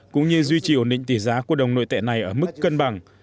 cũng như duy trì ổn định tỷ giá của đồng nội tệ này ở mức cân bằng